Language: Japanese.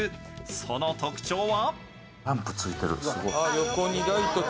その特徴は？